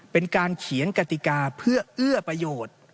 เป็นการเขียนกติกาเพื่อเอื้อประโยชน์